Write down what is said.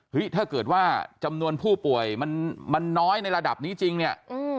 ถ้าเกิดว่าจำนวนผู้ป่วยมันน้อยในระดับนี้จริงเนี่ย